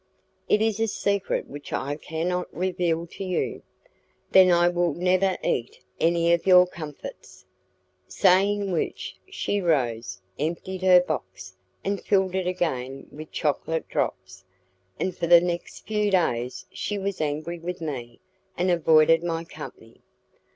"It is a secret which I cannot reveal to you." "Then I will never eat any of your comfits." Saying which, she rose, emptied her box, and filled it again with chocolate drops; and for the next few days she was angry with me, and avoided my company.